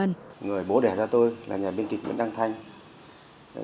người bố đẻ ra tôi là nhà viết kịch nguyễn đăng thái